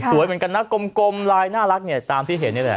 เหมือนกันนะกลมลายน่ารักเนี่ยตามที่เห็นนี่แหละ